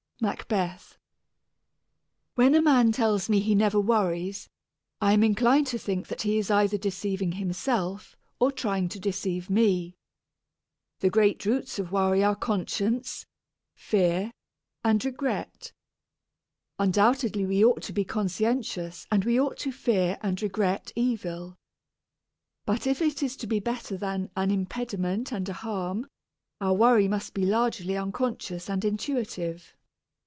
MACBETH. When a man tells me he never worries, I am inclined to think that he is either deceiving himself or trying to deceive me. The great roots of worry are conscience, fear, and regret. Undoubtedly we ought to be conscientious and we ought to fear and regret evil. But if it is to be better than an impediment and a harm, our worry must be largely unconscious, and intuitive.